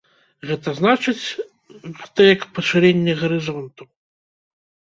Гэта значыць, гэта як пашырэнне гарызонтаў.